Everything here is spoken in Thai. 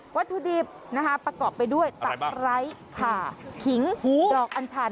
วัตถุดิบนะคะประกอบไปด้วยตะไคร้ขาขิงดอกอัญชัน